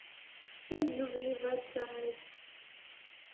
They knew we were journalists.